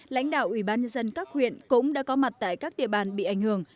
lãnh đạo ủy ban nhân dân các huyện cũng đã có mặt tại các địa bàn bị ảnh hưởng